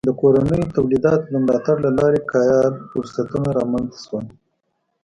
د کورنیو تولیداتو د ملاتړ له لارې کار فرصتونه رامنځته شول.